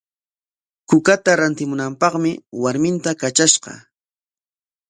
Kukata rantimunapaqmi warminta katrashqa.